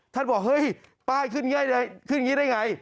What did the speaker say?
บอกเฮ้ยป้ายขึ้นง่ายขึ้นอย่างนี้ได้ไง